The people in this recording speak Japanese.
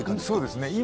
そうですね。